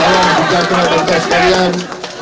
salam sejahtera terima kasih sekalian